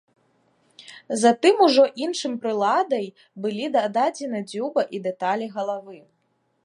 Затым ужо іншым прыладай былі дададзены дзюба і дэталі галавы.